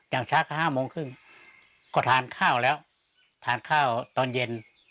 อย่างช้าก็๕โมงครึ่งก็ทานข้าวแล้วทานข้าวตอนเย็น